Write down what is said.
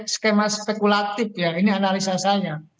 skema spekulatif ya ini analisa saya